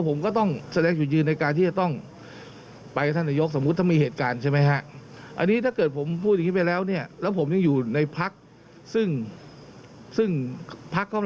ผมก็ต้องพูดความจริงคือผมทุกสิ่งทุกอย่างผมก็ต้องไปช่วยท่านนายก